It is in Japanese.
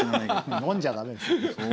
飲んじゃだめですよ。